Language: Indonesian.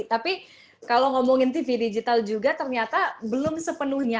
tapi kalau ngomongin tv digital juga ternyata belum sepenuhnya